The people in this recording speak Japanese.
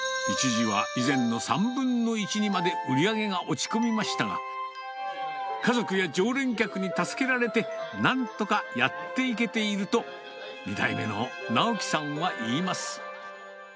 一時は以前の３分の１にまで売り上げが落ち込みましたが、家族や常連客に助けられて、なんとかやっていけていると、２代目の尚紀さんは言います。